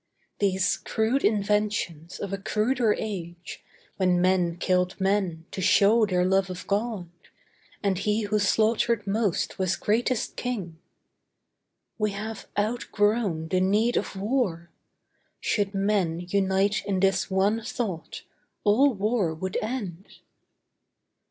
These crude inventions of a cruder age, When men killed men to show their love of God, And he who slaughtered most was greatest king. We have outgrown the need of war! Should men Unite in this one thought, all war would end.